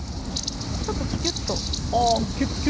ちょっとキュッと。